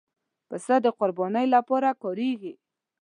پسه د قربانۍ لپاره کارېږي.